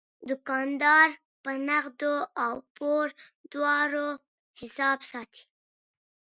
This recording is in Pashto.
دوکاندار په نغدو او پور دواړو حساب ساتي.